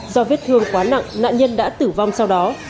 do vết thương quá nặng nạn nhân đã tử vong sau đó